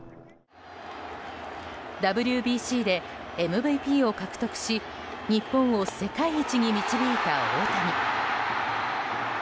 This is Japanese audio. ＷＢＣでＭＶＰを獲得し日本を世界一に導いた大谷。